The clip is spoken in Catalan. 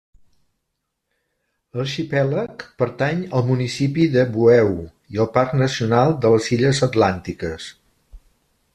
L'arxipèlag pertany al municipi de Bueu i al Parc nacional de les Illes Atlàntiques.